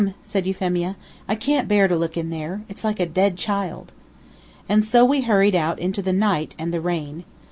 said Euphemia, "I can't bear to look in there. It's like a dead child." And so we hurried out into the night and the rain.